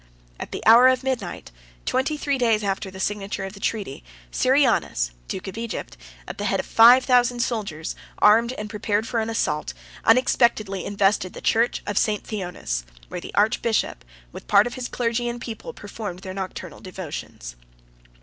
At the hour of midnight, twenty three days after the signature of the treaty, Syrianus, duke of Egypt, at the head of five thousand soldiers, armed and prepared for an assault, unexpectedly invested the church of St. Theonas, where the archbishop, with a part of his clergy and people, performed their nocturnal devotions.